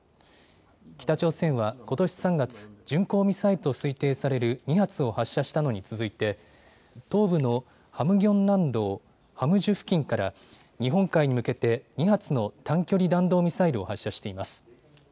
北朝鮮はことし３月、巡航ミサイルと推定される２発を発射したのに続いて東部のハムギョン南道ハムジュ付近から日本海に向けて２発の短距離弾道ミサイルを発射しています。